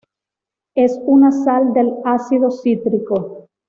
Es una sal del ácido cítrico.